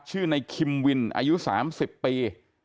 ชื่อในคิมวินอายุ๓๐ปี